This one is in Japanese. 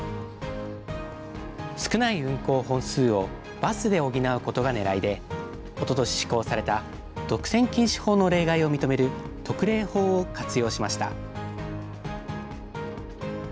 少ない運行本数をバスで補うことがねらいで、おととし施行された、独占禁止法の例外を認める特例法を活用しました。